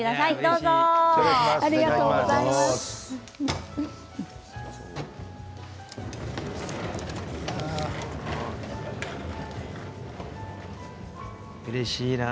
うれしいな。